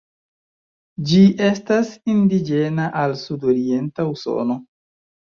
Ĝi estas indiĝena al Sud-orienta Usono.